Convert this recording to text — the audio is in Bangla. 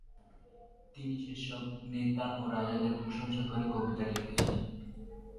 তিনি সেসব নেতা ও রাজাদের প্রশংসা করে কবিতা লিখেছেন।